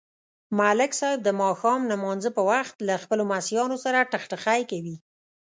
ملک صاحب د ماښام نمانځه په وخت له خپلو لمسیانو سره ټخټخی کوي.